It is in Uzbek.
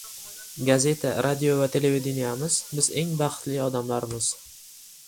Gazeta, radio va televideniyemiz, biz eng baxtli odamlarmiz